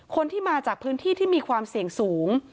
คนที่มาจากพื้นที่ที่มีความเสี่ยงสูง